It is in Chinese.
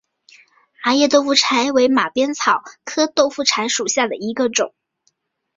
麻叶豆腐柴为马鞭草科豆腐柴属下的一个种。